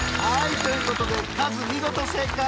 ということでカズ見事正解！